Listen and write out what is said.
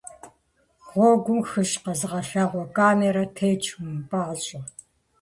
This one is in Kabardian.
Гъуэгум «хыщӏ» къэзыгъэлъагъуэ камерэ тетщ, умыпӏащӏэ.